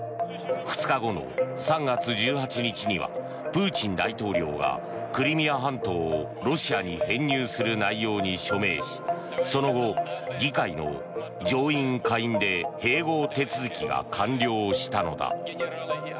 ２日後の３月１８日にはプーチン大統領がクリミア半島をロシアに編入する内容に署名しその後、議会の上院、下院で併合手続きが完了したのだ。